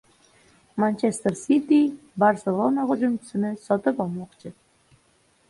"Manchester Siti" "Barselona" hujumchisini sotib olmoqchi